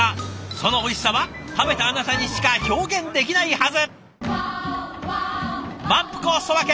そのおいしさは食べたあなたにしか表現できないはず！